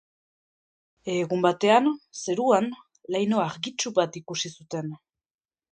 Egun batean, zeruan, laino argitsu bat ikusi zuten.